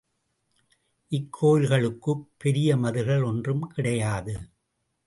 இக்கோயில்களுக்குப் பெரிய மதில்கள் ஒன்றும் கிடையாது.